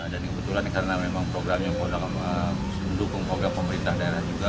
dan kebetulan karena memang programnya mendukung pemerintah daerah juga